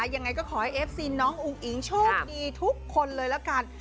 ยังไงก็ขอให้เอฟซีน้องอุ๋งอิ๋งโชคดีทุกคนเลยละกัน